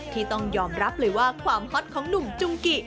ที่ต้องยอมรับเลยว่าความฮอตของหนุ่มจุงกิ